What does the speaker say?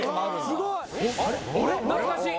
懐かしい。